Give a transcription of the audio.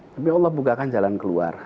tapi allah bukakan jalan keluar